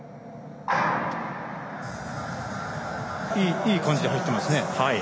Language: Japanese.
いい感じで入ってますね。